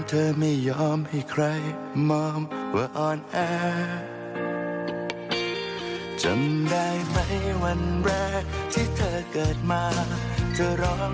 จะร้องหาแค่เธอจะร้องหาแค่เธอ